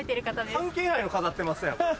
関係ないの飾ってますやん。